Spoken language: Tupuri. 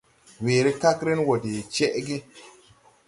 Weere kagren wɔ de cɛʼge.